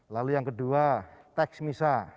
lalu yang kedua teks misa